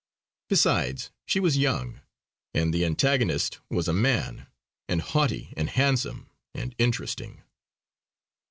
Besides, she was young; and the antagonist was a man; and haughty and handsome, and interesting.